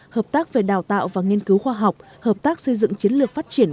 hợp tác về đào tạo và nghiên cứu khoa học hợp tác xây dựng chiến lược phát triển